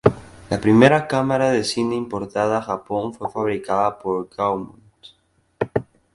La primera cámara de cine importada a Japón fue fabricada por Gaumont.